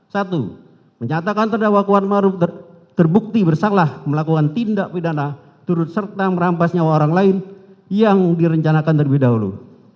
satu menyatakan terdakwa kuat ⁇ maruf ⁇ terbukti bersalah melakukan tindak pidana turut serta merampas nyawa orang lain yang direncanakan terlebih dahulu